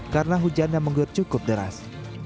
karena hujan yang menggur cukup deras